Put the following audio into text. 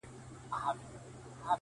بابولاله ـ